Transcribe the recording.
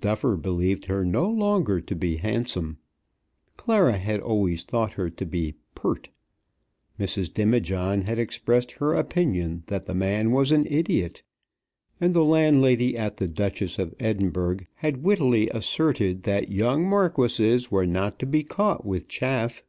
Duffer believed her no longer to be handsome; Clara had always thought her to be pert; Mrs. Demijohn had expressed her opinion that the man was an idiot; and the landlady at the "Duchess of Edinburgh" had wittily asserted that "young marquises were not to be caught with chaff."